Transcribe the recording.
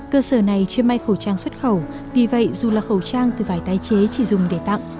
cơ sở này chưa may khẩu trang xuất khẩu vì vậy dù là khẩu trang từ vải tái chế chỉ dùng để tặng